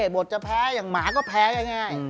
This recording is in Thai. บทจะแพ้อย่างหมาก็แพ้ง่าย